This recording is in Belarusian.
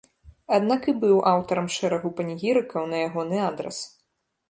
Аднак і быў аўтарам шэрагу панегірыкаў на ягоны адрас.